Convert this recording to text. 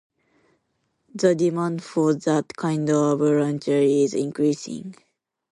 The demand for that kind of launcher is increasing.